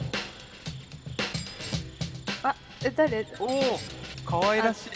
おおかわいらしい。